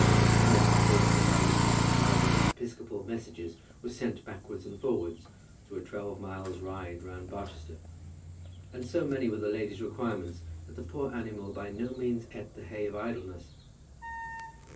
Now it was the vehicle by which Mrs. Proudie's episcopal messages were sent backwards and forwards through a twelve miles ride round Barchester; and so many were the lady's requirements, that the poor animal by no means eat the hay of idleness.